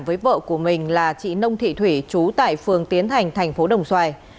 với vợ của mình là chị nông thị thủy chú tại phường tiến thành tp đồng xoài